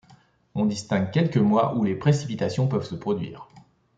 On distingue quelques mois où les précipitations peuvent se produire.